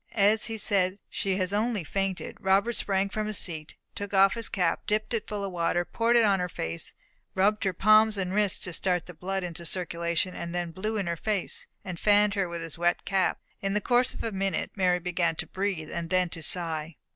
As he said, "She has only fainted," Robert sprang from his seat, took off his cap, dipped it full of water, poured it on her face, rubbed her palms and wrists to start the blood into circulation, then blew in her face, and fanned her with his wet cap. In the course of a minute Mary began to breathe, and then to sigh.